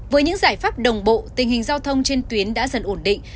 với những giải pháp đồng bộ tình hình giao thông trên tuyến đã dần ổn định